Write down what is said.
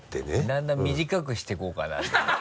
だんだん短くしていこうかなと思って。